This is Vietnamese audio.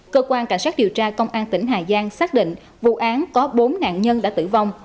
cơ quan cảnh sát điều tra công an tỉnh hà giang xác định vụ án có bốn nạn nhân đã tử vong